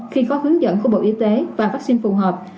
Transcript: khi có hướng dẫn của bộ y tế và vaccine phù hợp